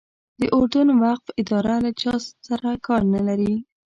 د اردن وقف اداره له چا سره کار نه لري.